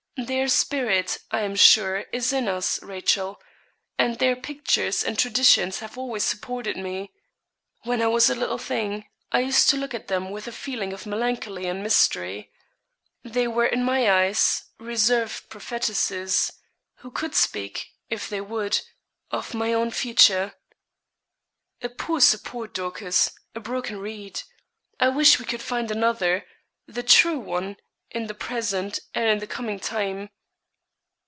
Their spirit, I am sure, is in us, Rachel; and their pictures and traditions have always supported me. When I was a little thing, I used to look at them with a feeling of melancholy and mystery. They were in my eyes, reserved prophetesses, who could speak, if they would, of my own future.' 'A poor support, Dorcas a broken reed. I wish we could find another the true one, in the present, and in the coming time.'